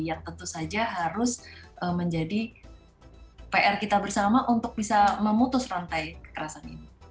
yang tentu saja harus menjadi pr kita bersama untuk bisa memutus rantai kekerasan ini